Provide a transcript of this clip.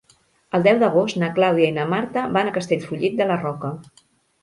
El deu d'agost na Clàudia i na Marta van a Castellfollit de la Roca.